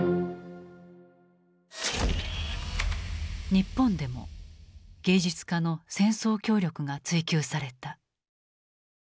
日本でも芸術家の戦争協力が追及された。